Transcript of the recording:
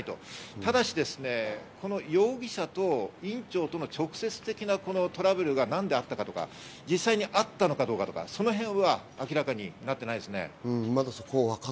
ただし、この容疑者と院長との直接的なトラブルが何であったとか、実際に会ったのかどうかとか、その辺は明らかになっていないです。